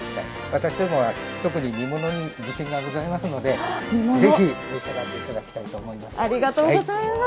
私どもは、特に煮物に自信がございますのでぜひ召し上がっていただきたいと思います。